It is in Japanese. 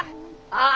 ああ。